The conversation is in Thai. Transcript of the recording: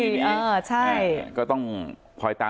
เมื่อที่๔แล้ว